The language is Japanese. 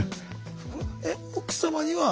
えっ奥様には？